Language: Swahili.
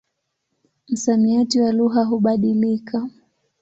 Msamiati wa lugha hubadilika.